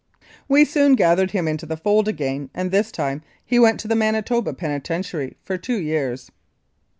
We soon gathered him into the fold again, and this time he went to the Manitoba Penitentiary for two years.